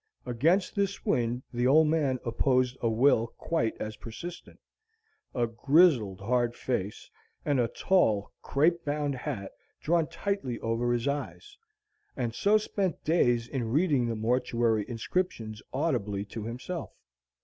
Against this wind the old man opposed a will quite as persistent, a grizzled, hard face, and a tall, crape bound hat drawn tightly over his eyes, and so spent days in reading the mortuary inscriptions audibly to himself.